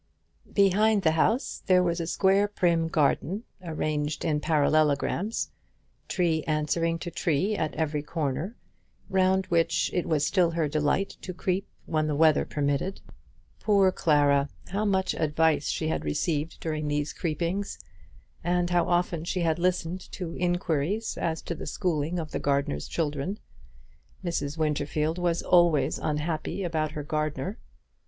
Behind the house there was a square prim garden, arranged in parallelograms, tree answering to tree at every corner, round which it was still her delight to creep when the weather permitted. Poor Clara! how much advice she had received during these creepings, and how often had she listened to inquiries as to the schooling of the gardener's children. Mrs. Winterfield was always unhappy about her gardener.